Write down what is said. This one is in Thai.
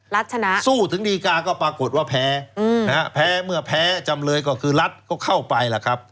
ชนะสู้ถึงดีกาก็ปรากฏว่าแพ้แพ้เมื่อแพ้จำเลยก็คือรัฐก็เข้าไปล่ะครับ